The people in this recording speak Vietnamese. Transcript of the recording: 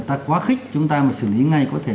ta quá khích chúng ta mà xử lý ngay có thể